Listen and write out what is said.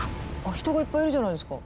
人がいっぱいいるじゃないですか。